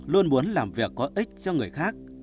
luôn muốn làm việc có ích